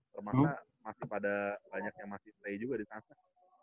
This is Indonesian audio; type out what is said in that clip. karena masih pada banyak yang masih stay juga di sana